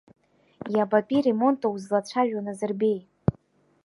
Иабатәи ремонту узлацәажәо, Назырбеи?